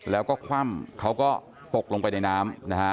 แล้วก็คว่ำเขาก็ตกลงไปในน้ำนะฮะ